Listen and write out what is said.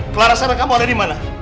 clara sarah kamu ada di mana